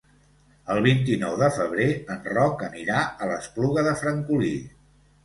El vint-i-nou de febrer en Roc anirà a l'Espluga de Francolí.